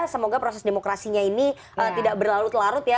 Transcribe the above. semoga proses demokrasinya ini tidak berlalu telarut ya